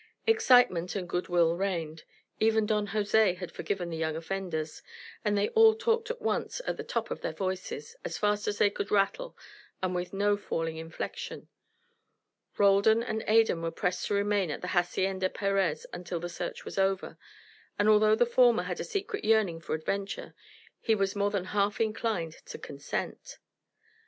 Excitement and good will reigned; even Don Jose had forgiven the young offenders, and they all talked at once, at the top of their voices, as fast as they could rattle and with no falling inflection. Roldan and Adan were pressed to remain at the Hacienda Perez until the search was over, and although the former had a secret yearning for adventure he was more than half inclined to consent.